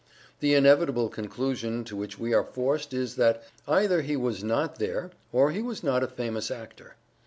The inevitable conclusion to which we are forced is that either he was not there or he was not a famous actor.